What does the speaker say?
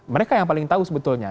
mereka yang paling tahu sebetulnya